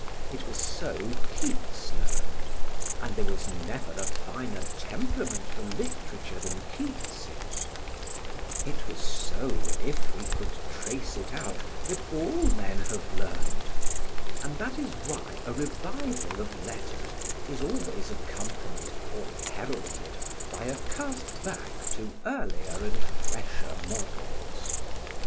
It was so Keats learned, and there was never a finer temperament for literature than Keats's; it was so, if we could trace it out, that all men have learned; and that is why a revival of letters is always accompanied or heralded by a cast back to earlier and fresher models.